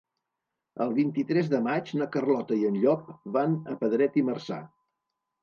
El vint-i-tres de maig na Carlota i en Llop van a Pedret i Marzà.